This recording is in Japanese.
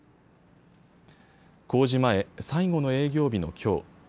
工事前、最後の営業日のきょう。